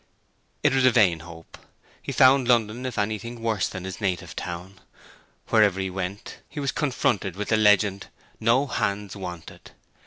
It was a vain hope. He found London, if anything, worse than his native town. Wherever he went he was confronted with the legend: 'No hands wanted'.